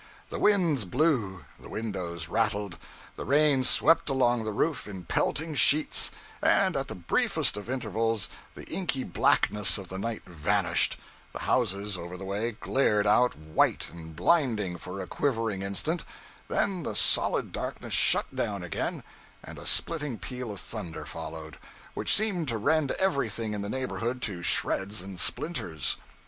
The winds blew, the windows rattled, the rain swept along the roof in pelting sheets, and at the briefest of intervals the inky blackness of the night vanished, the houses over the way glared out white and blinding for a quivering instant, then the solid darkness shut down again and a splitting peal of thunder followed, which seemed to rend everything in the neighborhood to shreds and splinters.